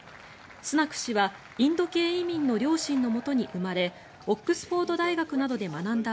スナク氏はインド系移民の両親のもとに生まれオックスフォード大学などで学んだ